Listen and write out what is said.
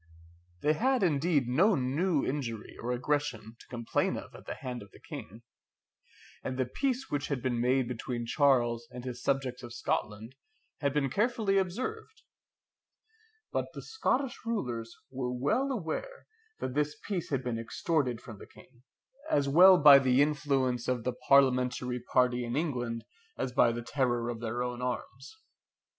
They had indeed no new injury or aggression to complain of at the hand of the King, and the peace which had been made between Charles and his subjects of Scotland had been carefully observed; but the Scottish rulers were well aware that this peace had been extorted from the King, as well by the influence of the parliamentary party in England, as by the terror of their own arms.